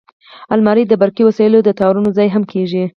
الماري د برقي وسایلو د تارونو ځای هم کېږي